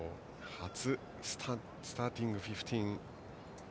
初スターティングフィフティーン